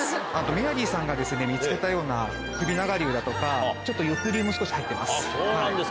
メアリーさんが見つけたような首長竜だとかちょっと翼竜も少し入ってます。